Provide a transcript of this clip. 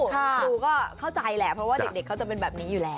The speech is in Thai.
ครูก็เข้าใจแหละเพราะว่าเด็กเขาจะเป็นแบบนี้อยู่แล้ว